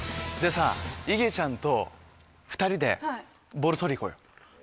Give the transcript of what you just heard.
いげちゃんと２人でボール取りにいこうよ。